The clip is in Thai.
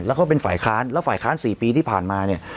แล้วก็เป็นฝ่ายค้านแล้วฝ่ายค้าน๔ปีที่ผ่านมาเนี่ย